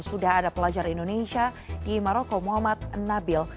sudah ada pelajar indonesia di maroko muhammad nabil